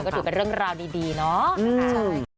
ก็ถูกเป็นเรื่องราวดีเนาะ